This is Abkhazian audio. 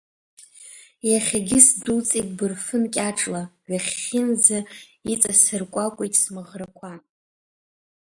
Иахьагьы сдәылҵит бырфын кьаҿла, ҩахьхьынӡа иҵасыркәакәеит смаӷрақәа.